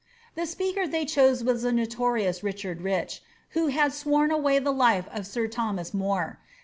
The speaker they chose was the notorious Richard Rich, who had ivorn away the life of sir Thomas More.